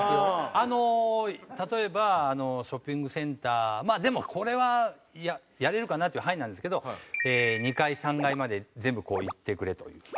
あの例えばショッピングセンターまあでもこれはやれるかなっていう範囲なんですけど２階３階まで全部こう行ってくれという。